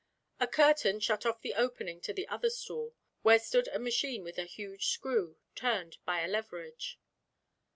A curtain shut off the opening to the other stall, where stood a machine with a huge screw, turned by leverage.